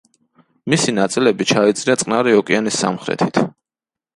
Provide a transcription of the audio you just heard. მისი ნაწილები ჩაიძირა წყნარი ოკეანის სამხრეთით.